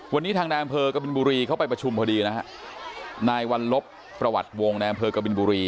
วันนี้ทางนายอำเภอกบินบุรีเขาไปประชุมพอดีนะฮะนายวัลลบประวัติวงศ์ในอำเภอกบินบุรี